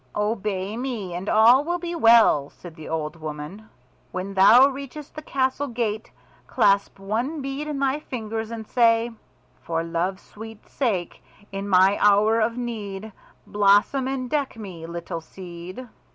"Obey me and all will be well," said the old woman. "When thou reachest the castle gate clasp one bead in thy fingers and say: "'For love's sweet sake, in my hour of need, Blossom and deck me, little seed.'